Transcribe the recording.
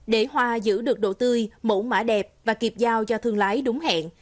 để hoa giữ được độ tươi mẫu mã đẹp và kịp giao cho thương lái đúng hẹn